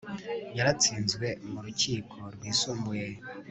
yaratsinzwe mu rukiko rwisumbuye